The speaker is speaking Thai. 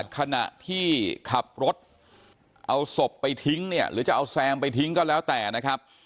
ขณะที่ขับรถเอาศพไปทิ้งเนี่ยหรือจะเอาแซมไปทิ้งก็แล้วแต่นะครับ